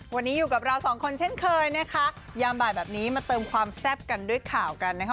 วันนี้อยู่กับเราสองคนเช่นเคยนะคะยามบ่ายแบบนี้มาเติมความแซ่บกันด้วยข่าวกันนะคะ